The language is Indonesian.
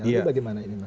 itu bagaimana ini mas